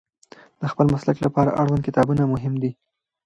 د خپل مسلک لپاره اړوند کتابونه مهم دي.